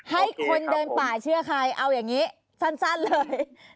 ให้คนเดินป่าเชื่อใครเอาอย่างนี้สั้นเลย